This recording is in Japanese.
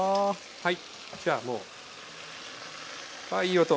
はい。